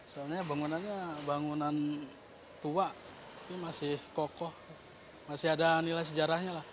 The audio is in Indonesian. soalnya bangunannya bangunan tua ini masih kokoh masih ada nilai sejarahnya lah